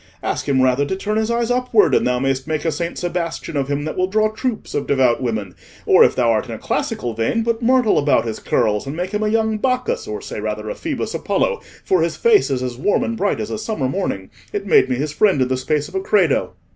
Ask him rather to turn his eyes upward, and thou mayst make a Saint Sebastian of him that will draw troops of devout women; or, if thou art in a classical vein, put myrtle about his curls and make him a young Bacchus, or say rather a Phoebus Apollo, for his face is as warm and bright as a summer morning; it made me his friend in the space of a 'credo.